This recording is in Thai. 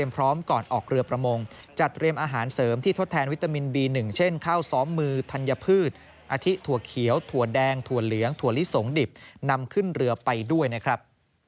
พืชอาทิตัวเขียวถั่วแดงถั่วเหลืองถั่วลิสงดิบนำขึ้นเรือไปด้วยนะครับ